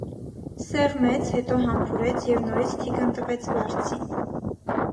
Սեղմեց, հետո համբուրեց և նորից թիկն տվեց բարձին: